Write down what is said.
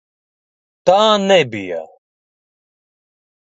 Tā nebija!